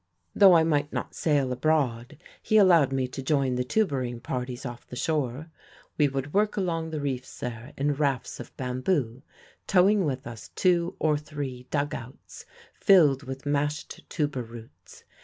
"Though I might not sail abroad he allowed me to join the tuburing parties off the shore. We would work along the reefs there in rafts of bamboo, towing with us two or three dug outs filled with mashed tubur roots.